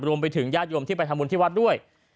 รวมไปถึงญาติโยมที่ไปทำบุญที่วัดด้วย